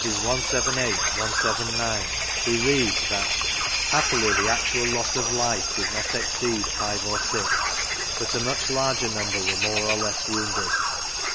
178, 179) we read that "happily the actual loss of life did not exceed five or six, but a much larger number were more or less wounded."